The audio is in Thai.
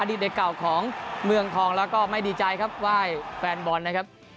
เด็กเก่าของเมืองทองแล้วก็ไม่ดีใจครับไหว้แฟนบอลนะครับ